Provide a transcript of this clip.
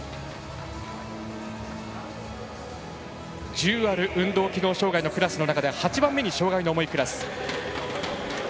１０ある運動機能障がいのクラスの中で８番目に障がいの重いクラス。